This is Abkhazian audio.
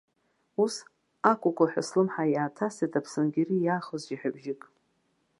Ус, аку-куҳәа слымҳа иааҭасит аԥсангьари иаахоз жьаҳәа бжьык.